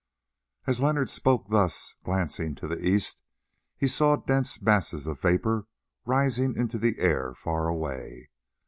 As Leonard spoke thus, glancing to the east, he saw dense masses of vapour rising into the air far away.